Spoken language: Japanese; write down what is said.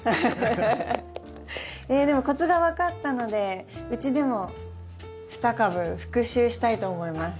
でもコツが分かったのでうちでも２株復習したいと思います。